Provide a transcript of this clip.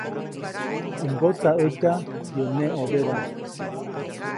U mgotsaʼätya yäʼ neʼ ʼõdedaʼm.